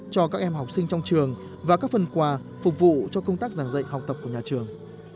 cho các em học sinh trong trường và các phần quà phục vụ cho công tác giảng dạy học tập của nhà trường